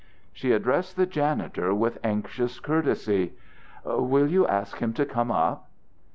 She addressed the janitor with anxious courtesy: "Will you ask him to come up?"